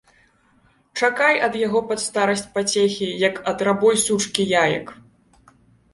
Чакай ад яго пад старасць пацехі, як ад рабой сучкі яек!